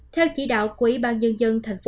theo chỉ đạo của ybnd